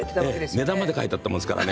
値段まで描いてあったものですからね。